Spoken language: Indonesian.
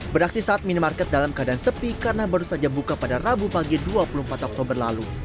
beraksi saat minimarket dalam keadaan sepi karena baru saja buka pada rabu pagi dua puluh empat oktober lalu